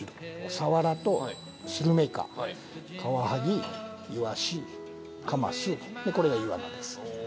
サワラとスルメイカカワハギイワシカマスでこれがイワナです。